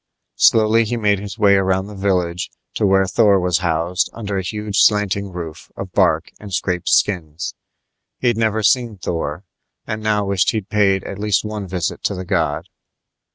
Slowly he made his way around the village to where Thor was housed under a huge slanting roof of bark and scraped skins. He'd never seen Thor, and now wished he'd paid at least one visit to the god.